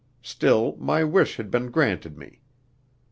Still, my wish had been granted me.